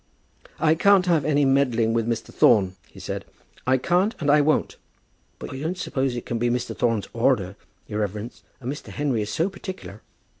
"I can't have any meddling with Mr. Thorne," he said; "I can't, and I won't." "But I don't suppose it can be Mr. Thorne's order, your reverence; and Mr. Henry is so particular."